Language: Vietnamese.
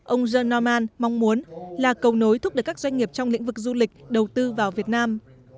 ông john norman mong muốn là cầu nối thúc đẩy các doanh nghiệp trong lĩnh vực du lịch đầu tư vào việt nam